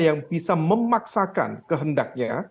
yang bisa memaksakan kehendaknya